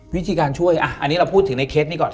วิธีการช่วยอันนี้เราพูดถึงในเคสนี้ก่อน